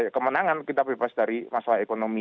kemenangan kita bebas dari masalah ekonomi